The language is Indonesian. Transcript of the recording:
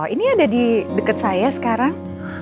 ini ada di dekat saya sekarang